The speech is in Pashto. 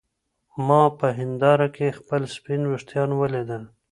ما په هېنداره کې خپل سپین ويښتان ولیدل.